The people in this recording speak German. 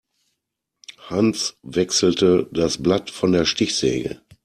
Hans wechselte das Blatt von der Stichsäge.